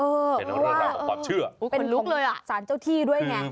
เออเป็นเรื่องราวของความเชื่อเป็นของสารเจ้าที่ด้วยไง